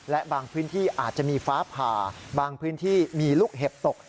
และบางพื้นที่อาจจะมีฟ้าผ่าบางพื้นที่มีลูกเห็บตก